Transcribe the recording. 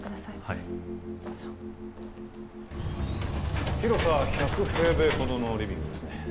はいどうぞ広さは１００平米ほどのリビングですね